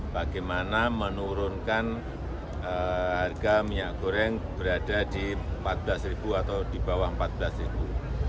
bagaimana menurunkan harga minyak goreng berada di empat belas atau di bawah rp empat belas ribu